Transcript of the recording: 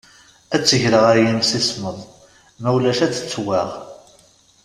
Ad tt-greɣ ad yimsismeḍ ma ulac ad tettwaɣ.